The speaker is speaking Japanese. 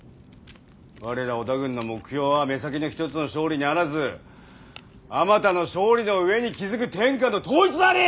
我ら小田軍の目標は目先の一つの勝利にあらずあまたの勝利の上に築く天下の統一なり！